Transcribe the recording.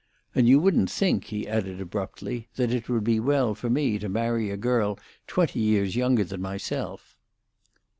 And you wouldn't think," he added abruptly, "that it would be well for me to marry a girl twenty years younger than myself."